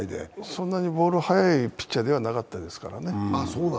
そんなにボール、速いピッチャーではなかったね。